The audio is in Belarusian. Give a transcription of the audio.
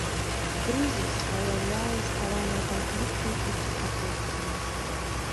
Крызіс праяўляе схаваныя канфлікты і дыспрапорцыі.